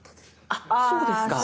あそうですか。